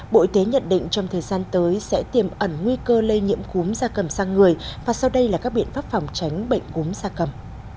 bộ y tế nhận định trong thời gian tới sẽ tiềm ẩn nguy cơ lây nhiễm cúm gia cầm sang người và sau đây là các biện pháp phòng tránh bệnh cúm da cầm